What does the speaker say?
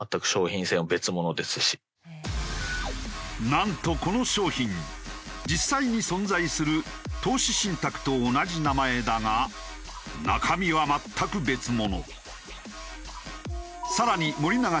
なんとこの商品実際に存在する投資信託と同じ名前だが中身は全く別物。